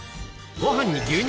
ご飯に牛乳？